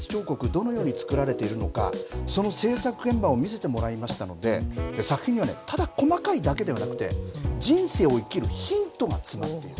どのように作られているのかその制作現場を見せてもらいましたので作品には、ただ細かいだけではなくて、人生を生きるヒントが詰まっている。